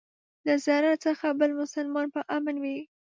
له ضرر څخه بل مسلمان په امان وي.